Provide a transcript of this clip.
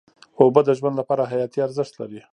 اوبه د ژوند لپاره حیاتي ارزښت لري.